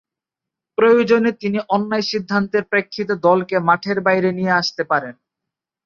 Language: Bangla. প্রয়োজনে তিনি অন্যায় সিদ্ধান্তের প্রেক্ষিতে দলকে মাঠের বাইরে নিয়ে আসতে পারেন।